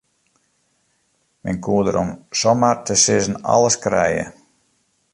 Men koe der om samar te sizzen alles krije.